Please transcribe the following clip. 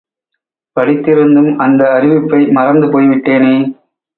படித்திருந்தும், அந்த அறிவிப்பை மறந்து போய் விட்டேனே.